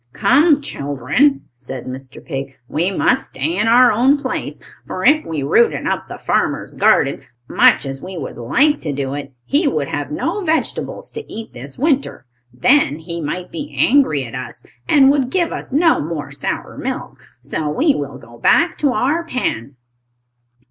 "Come, children," said Mr. Pig. "We must stay in our own place, for if we rooted up the farmer's garden, much as we would like to do it, he would have no vegetables to eat this winter. Then he might be angry at us, and would give us no more sour milk. So we will go back to our pen."